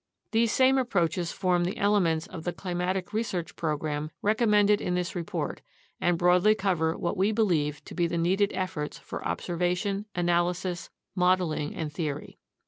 These same approaches form the ele ments of the climatic research program recommended in this report and broadly cover what we believe to be the needed efforts for observation, analysis, modeling, and theory.